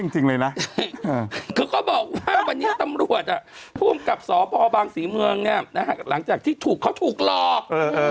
จริงเลยนะคือเขาบอกว่าวันนี้ตำรวจภูมิกับสพบางศรีเมืองเนี่ยนะฮะหลังจากที่ถูกเขาถูกหลอก